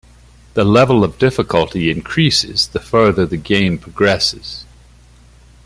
The level of difficulty increases the further the game progresses.